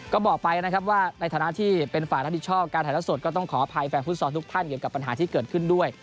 ก็บอกไปนะครับว่าในฐานะที่เป็นฝ่ายรับผิดชอบการถ่ายละสดก็ต้องขออภัยแฟนฟุตซอลทุกท่านเกี่ยวกับปัญหาที่เกิดขึ้นด้วย